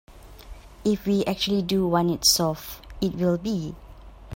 If we actually do want it solved, it will be.